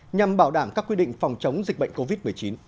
nhằm bảo đảm các quy định phòng chống dịch bệnh covid một mươi chín